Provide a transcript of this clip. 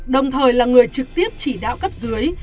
đồng thời là người trực tiếp chỉ đạo cấp dưới